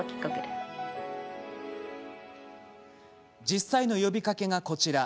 実際の呼びかけがこちら。